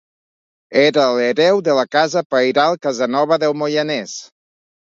Era l’hereu de la casa pairal Casanova del Moianès.